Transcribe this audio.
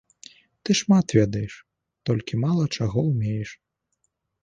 Ты шмат ведаеш, толькі мала чаго ўмееш.